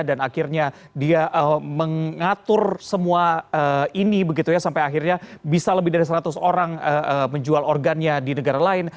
dan akhirnya dia mengatur semua ini begitu ya sampai akhirnya bisa lebih dari seratus orang menjual organnya di negara lain